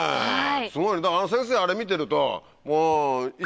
すごいね先生はあれ見てると。